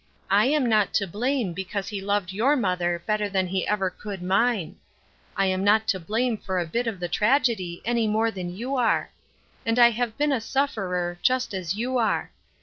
I am not to blame because he loved your mother better than he ever could mine. I am not to blame for a bit of the tragedy any more than you are. And I have been a suf ferer, just as you are.